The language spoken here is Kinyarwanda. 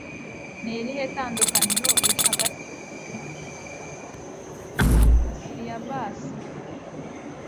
ni irihe tandukaniro riri hagati yukuri nukuri? asliabbasi